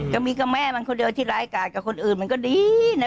ก็มีแม่มันเฉพาะคนเดียวที่รายการกับคนอื่นมันก็ดีนะ